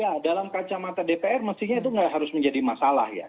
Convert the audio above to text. ya dalam kacamata dpr mestinya itu nggak harus menjadi masalah ya